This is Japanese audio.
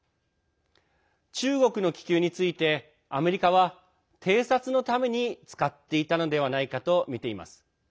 中国の気球についてアメリカは、偵察のために使っていたのではないかとみています。